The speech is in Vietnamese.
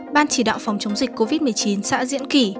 ban chỉ đạo phòng chống dịch covid một mươi chín xã diễn kỳ